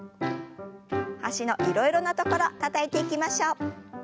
脚のいろいろな所たたいていきましょう。